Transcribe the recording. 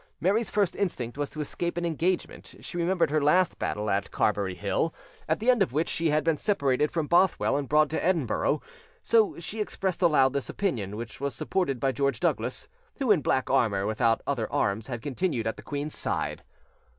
Mary's first instinct was to escape an engagement: she remembered her last battle at Carberry Hill, at the end of which she had been separated from Bothwell and brought to Edinburgh; so she expressed aloud this opinion, which was supported by George Douglas, who, in black armour, without other arms, had continued at the queen's side.